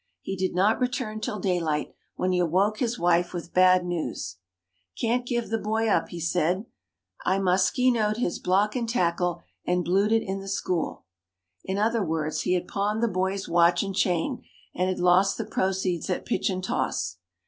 He did not return till daylight, when he awoke his wife with bad news. "Can't give the boy up," he said. "I moskenoed his block and tackle, and blued it in the school." In other words, he had pawned the boy's watch and chain, and had lost the proceeds at pitch and toss.